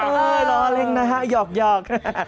เฮ่ยล้อเล่นนะฮะหยอก